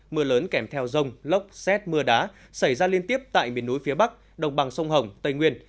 mưa lớn kèm theo rông lốc xét mưa đá xảy ra liên tiếp tại miền núi phía bắc đồng bằng sông hồng tây nguyên